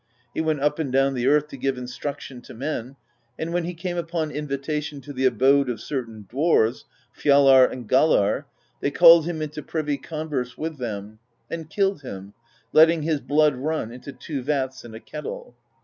He went up and down the earth to give instruction to men; and when he came upon invita tion to the abode of certain dwarves, Fjalar and Galarr, they called him into privy converse with them, and killed him, letting his blood run into two vats and a kettle.